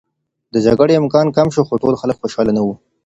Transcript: د جګړې امکان کم شو، خو ټول خلک خوشحاله نه و.